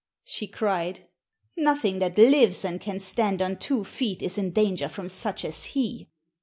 she cried. "Nothing that lives and can stand on two feet is in danger from such as he.